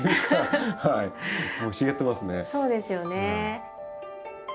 そうですよね。